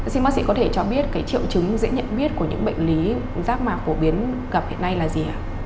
xin bác sĩ có thể cho biết triệu chứng dễ nhận biết của những bệnh lý rác mạc phổ biến gặp hiện nay là gì ạ